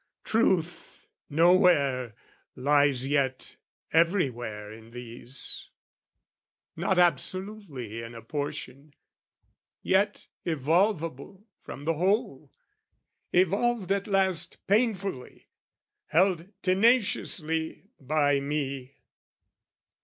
Truth, nowhere, lies yet everywhere in these Not absolutely in a portion, yet Evolvable from the whole: evolved at last Painfully, held tenaciously by me.